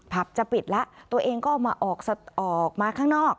ผับจะปิดแล้วตัวเองก็มาออกออกมาข้างนอก